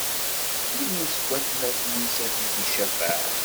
Yiwen seg watmaten-is, ad t-id-icafeɛ.